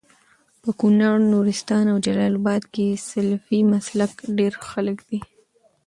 په کونړ، نورستان او جلال اباد کي سلفي مسلکه خلک ډير دي